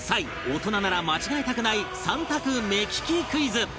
大人なら間違えたくない３択目利きクイズ